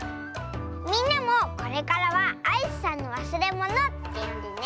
みんなもこれからは「アイスさんのわすれもの」ってよんでね！